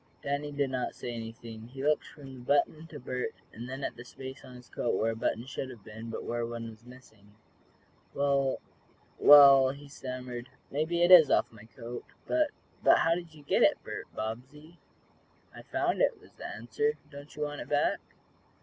Danny did not say anything. He looked from the button to Bert, and then at the space on his coat where a button should have been, but where one was missing. "Well well," he stammered. "Maybe it is off my coat, but but how did you get it, Bert Bobbsey?" "I found it," was the answer. "Don't you want it back?"